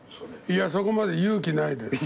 いやそこまで勇気ないです。